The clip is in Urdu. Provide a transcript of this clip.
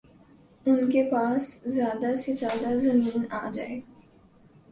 ان کے پاس زیادہ سے زیادہ زمین آجائے